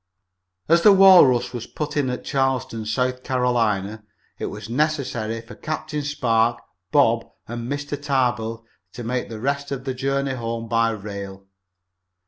As the Walrus was to put in at Charleston, South Carolina, it was necessary for Captain Spark, Bob and Mr. Tarbill to make the rest of the journey home by rail.